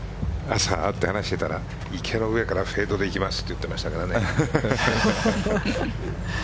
朝、会って話していたら池の上からフェードでいきますと言っていましたからね。